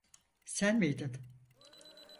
Sen miydin?